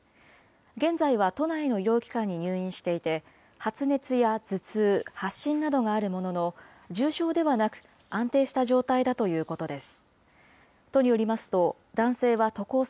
現在は都内の医療機関に入院していて、発熱や頭痛、発疹などがあるものの、重症ではなく、安定した状態だということです。